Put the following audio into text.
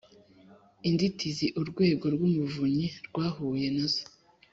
inzitizi urwego rw’umuvunyi rwahuye na zo